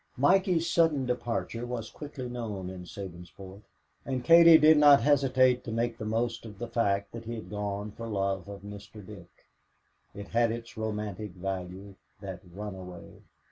Mikey's sudden departure was quickly known in Sabinsport, and Katie did not hesitate to make the most of the fact that he had gone for love of Mr. Dick. It had its romantic value, that runaway.